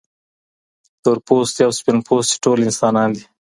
تور پوستي او سپین پوستي ټول انسانان دي.